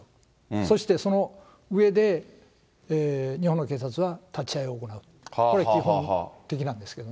そしてその上で、日本の警察は立ち会いを行う、これ基本的なんですけどね。